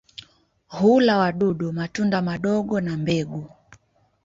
Hula wadudu, matunda madogo na mbegu.